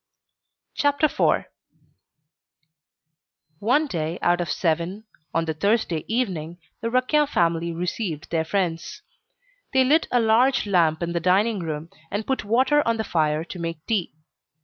CHAPTER IV One day out of seven, on the Thursday evening, the Raquin family received their friends. They lit a large lamp in the dining room, and put water on the fire to make tea.